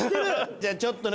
じゃあちょっとね